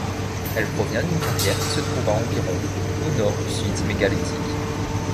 Elle provient d'une carrière qui se trouve à environ au nord du site mégalithique.